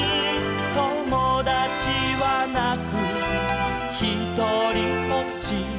「ともだちはなくひとりぽっち」